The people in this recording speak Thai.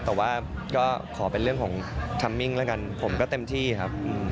แต่ว่าก็ขอเป็นเรื่องของคัมมิ่งแล้วกันผมก็เต็มที่ครับ